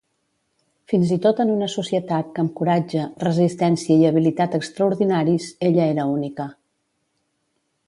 Fins i tot en una societat que amb coratge, resistència i habilitat extraordinaris, ella era única.